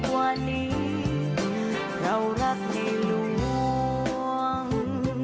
วันนี้เรารักในหลวง